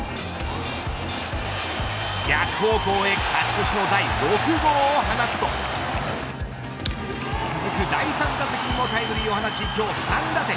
逆方向へ勝ち越しの第６号を放つと続く第３打席にもタイムリーを放ち今日３打点。